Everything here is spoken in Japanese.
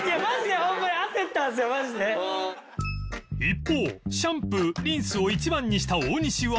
一方シャンプー・リンスを１番にした大西は